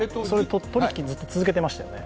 取引ずっと続けていましたよね。